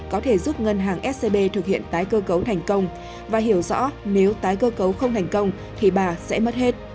có thể giúp ngân hàng scb thực hiện tái cơ cấu thành công và hiểu rõ nếu tái cơ cấu không thành công thì bà sẽ mất hết